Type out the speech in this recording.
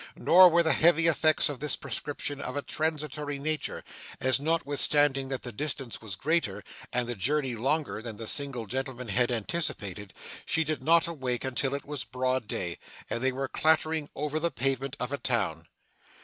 Nor were the happy effects of this prescription of a transitory nature, as, notwithstanding that the distance was greater, and the journey longer, than the single gentleman had anticipated, she did not awake until it was broad day, and they were clattering over the pavement of a town.